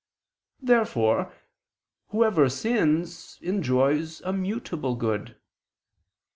Therefore whoever sins enjoys a mutable good.